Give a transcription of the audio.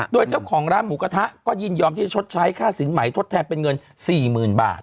โดยเจ้าของร้านหมูกระทะก็ยินยอมที่จะชดใช้ค่าสินใหม่ทดแทนเป็นเงิน๔๐๐๐บาท